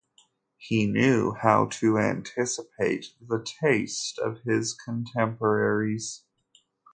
He knew how to anticipate the taste of his contemporaries.